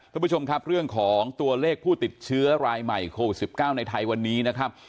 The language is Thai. คุณผู้ชมครับเรื่องของตัวเลขผู้ติดเชื้อรายใหม่โควิด๑๙ในไทยวันนี้นะครับ